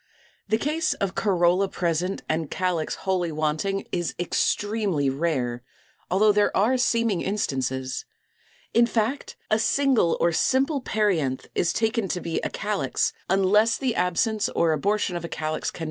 The case of corolla present and calyx wholly wanting is extremely rare, although there are seeming instances. In fact, a single or simple perianth is taken to be a calyx, unless the absence or abortion of a calyx can be made evident.